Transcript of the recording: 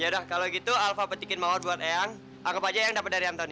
yaudah kalau gitu alva petikin mawar buat eang anggap aja yang dapat dari anthony